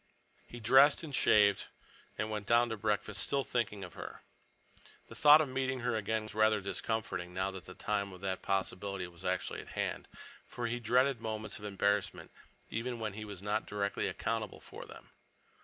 He dressed and shaved and went down to breakfast, still thinking of her. The thought of meeting her again was rather discomforting, now that the time of that possibility was actually at hand, for he dreaded moments of embarrassment even when he was not directly accountable for them.